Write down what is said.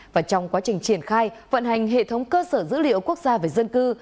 và trong quá trình triển khai vận hành hệ thống cơ sở dữ liệu quốc gia về dân cư